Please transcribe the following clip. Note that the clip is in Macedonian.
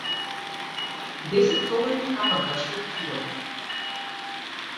Десет совети како да заштедите гориво